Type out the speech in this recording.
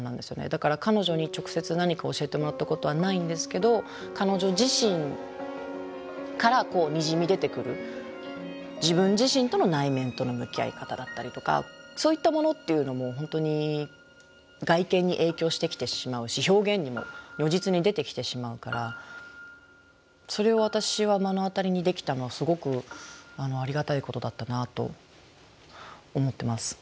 だから彼女に直接何か教えてもらったことはないんですけど彼女自身からにじみ出てくる自分自身との内面との向き合い方だったりとかそういったものっていうのも本当に外見に影響してきてしまうし表現にも如実に出てきてしまうからそれを私は目の当たりにできたのはすごくありがたいことだったなと思ってます。